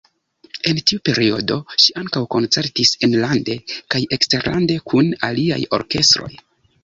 En tiu periodo ŝi ankaŭ koncertis enlande kaj eksterlande kun aliaj orkestroj.